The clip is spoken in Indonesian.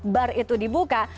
bar itu dibuka